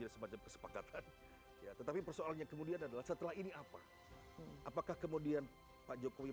semacam kesepakatan ya tetapi persoalannya kemudian adalah setelah ini apa apakah kemudian pak jokowi